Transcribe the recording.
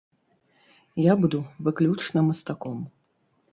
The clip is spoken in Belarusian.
Я буду выключна мастаком.